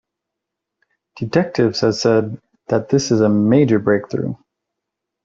Detectives have said that this is a "major breakthrough".